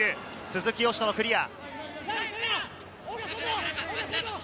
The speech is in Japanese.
鈴木嘉人のクリア。